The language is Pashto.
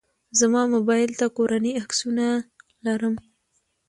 زما موبایل ته کورنۍ عکسونه لرم.